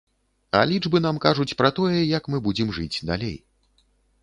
А лічбы нам кажуць пра тое, як мы будзем жыць далей.